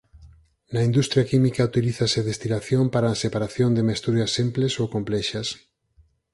Na industria química utilízase a destilación para a separación de mesturas simples ou complexas.